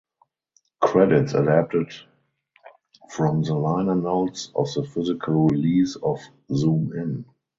Credits adapted from the liner notes of the physical release of "Zoom In".